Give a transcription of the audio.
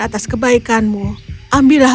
atas kebaikanmu ambillah